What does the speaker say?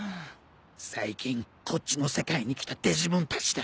最近こっちの世界に来たデジモンたちだ。